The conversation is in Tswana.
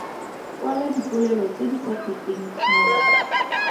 Kwala dipolelo tse di sa feteng tlhano.